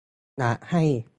อยากให้